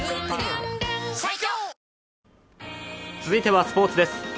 続いてはスポーツです。